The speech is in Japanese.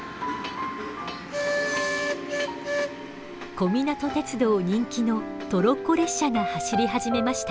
小湊鉄道人気のトロッコ列車が走り始めました。